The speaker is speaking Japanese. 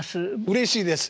うれしいです。